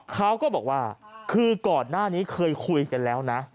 เขาก็บอกว่าคือก่อนหน้านี้เคยคุยกันแล้วนะ